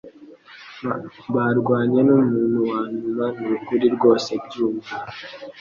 Barwanye numuntu wanyuma nukuri rwose byumve